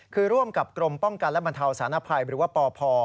คือร่วมกับกรมป้องกันและบรรเทาสารภัยหรือว่าปพ